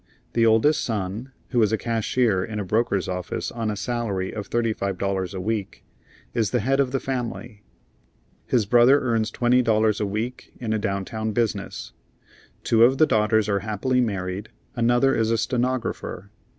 The oldest son, who is a cashier in a broker's office on a salary of $35 a week, is the head of the family. His brother earns $20 a week in a downtown business. Two of the daughters are happily married; another is a stenographer.